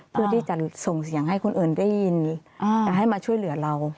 เพื่อที่จะส่งเสียงให้คนอื่นได้ยินจะให้มาช่วยเหลือเรา